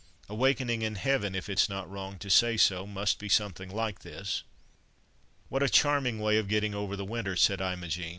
Awakening in Heaven, if it's not wrong to say so, must be something like this." "What a charming way of getting over the winter," said Imogen.